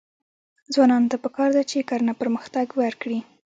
ځوانانو ته پکار ده چې، کرنه پرمختګ ورکړي.